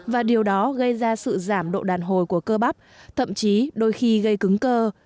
và điều đó gây ra sự giảm độ đàn hồi của cơ bắp thậm chí đôi khi gây cứng cơ